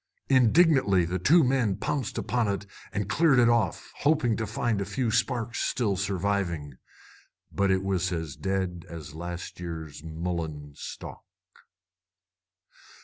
Indignantly the two men pounced upon it and cleared it off, hoping to find a few sparks still surviving. But it was as dead as a last year's mullein stalk.